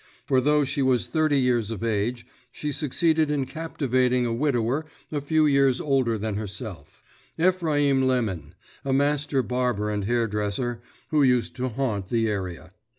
For though she was thirty years of age she succeeded in captivating a widower a few years older than herself, Ephraim Lemon, a master barber and hairdresser, who used to haunt the area.